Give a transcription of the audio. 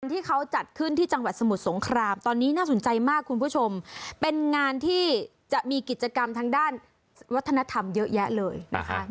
ที่เขาจัดขึ้นที่จังหวัดสมุทรสงครามตอนนี้น่าสนใจมากคุณผู้ชมเป็นงานที่จะมีกิจกรรมทางด้านวัฒนธรรมเยอะแยะเลยนะคะ